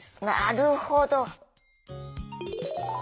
なるほど！